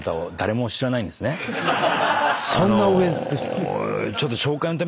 そんな上ですか。